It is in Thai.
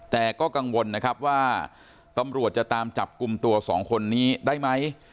แต่ก็กังวลนะครับว่าตำรวจจะตามจับกลุ่มตัวสองคนนี้ได้ไหม